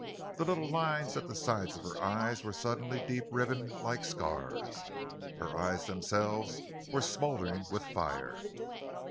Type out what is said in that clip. The little lines at the sides of her eyes were suddenly deep riven like scars. Her eyes themselves were smouldering with fire.